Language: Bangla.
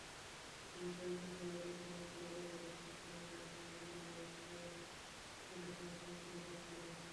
তিনি শেরপুর শহরের খরমপুর এলাকার একটি স্যানেটারিসামগ্রীর ব্যবসাপ্রতিষ্ঠানে শ্রমিকের কাজ করেন।